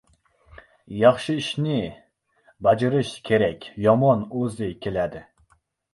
• Yaxshi ishni bajarish kerak, yomoni o‘zi keladi.